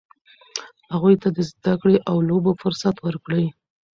هغوی ته د زده کړې او لوبو فرصت ورکړئ.